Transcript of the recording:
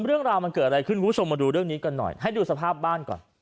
เรื่องราวมันเกิดอะไรขึ้นคุณผู้ชมมาดูเรื่องนี้กันหน่อยให้ดูสภาพบ้านก่อน